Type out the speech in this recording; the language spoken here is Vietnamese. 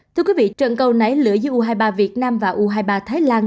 thưa quý vị trận câu nảy lửa giữa u hai mươi ba việt nam và u hai mươi ba thái lan